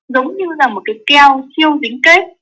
giống như là một cái keo siêu dính kết